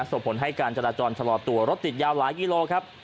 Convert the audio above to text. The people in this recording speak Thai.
ส่งผลให้การจราจรชะลอตัวรถติดยาวหลายกิโลครับ